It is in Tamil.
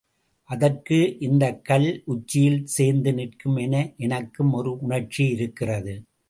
அதற்கு இந்தக்கல் உச்சியில் சேர்ந்து நிற்கும் என எனக்கும் ஒரு உணர்ச்சி இருக்கிறது.